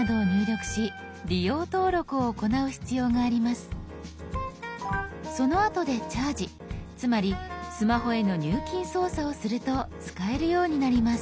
ほとんどの場合アプリを入れたあとにそのあとで「チャージ」つまりスマホへの入金操作をすると使えるようになります。